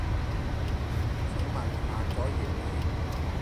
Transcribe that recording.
請問下載完未？